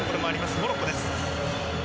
モロッコです。